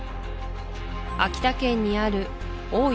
秋田県にある大湯